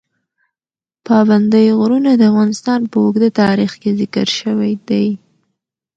پابندی غرونه د افغانستان په اوږده تاریخ کې ذکر شوی دی.